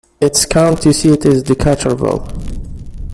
Its county seat is Decaturville.